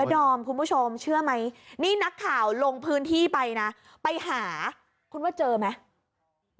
ดอมคุณผู้ชมเชื่อไหมนี่นักข่าวลงพื้นที่ไปนะไปหาคุณว่าเจอไหม